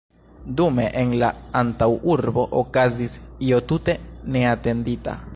Dume en la antaŭurbo okazis io tute neatendita.